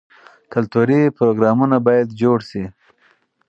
کلتوري پروګرامونه باید جوړ شي.